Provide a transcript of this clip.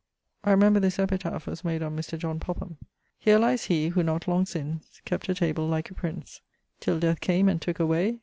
I remember this epitaph was made on Mr. John Popham: Here lies he, who, not long since, Kept a table like a prince, Till Death came, and tooke away.